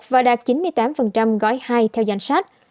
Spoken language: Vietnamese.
và đạt chín mươi tám gói hai theo danh sách